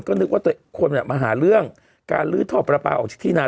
ก็นึกว่าตัวเองควรเนี้ยมาหาเรื่องการลื้อทอบประปาออกที่ที่นา